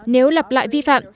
nếu lặp lại vi phạm